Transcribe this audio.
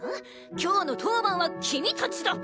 今日の当番は君たちだ。